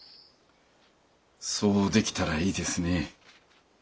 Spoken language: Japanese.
そうできたらいいですね。